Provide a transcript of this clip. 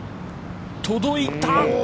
届いた！